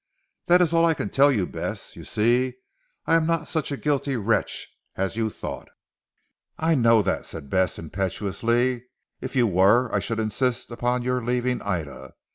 That is all I can tell you Bess, you see I am not such a guilty wretch as you thought." "I know that," said Bess impetuously, "If you were I should insist upon your leaving Ida.